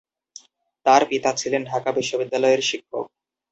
তার পিতা ছিলেন ঢাকা বিশ্ববিদ্যালয়ের শিক্ষক।